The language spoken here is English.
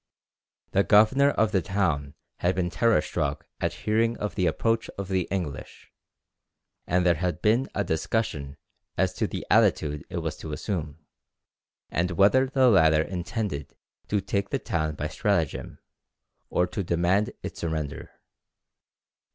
The governor of the town had been terror struck at hearing of the approach of the English, and there had been a discussion as to the attitude it was to assume, and whether the latter intended to take the town by stratagem, or to demand its surrender.